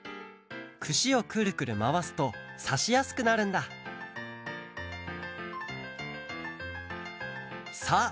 くしをくるくるまわすとさしやすくなるんださあ